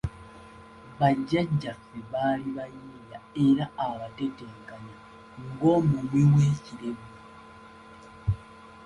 Ba Jjajjaffe baali bayiiya era abatetenkanya ng’omumwi w’ekirevu.